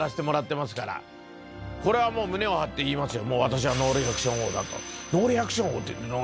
これはもう胸を張って言いますよ。